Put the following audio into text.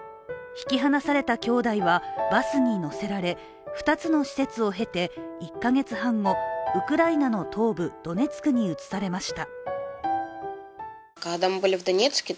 引き離されたきょうだいは、バスに乗せられ２つの施設を経て１か月半後、ウクライナの東部ドネツクに移されました。